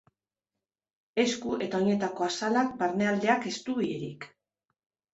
Esku eta oinetako azalak barnealdeak ez du ilerik.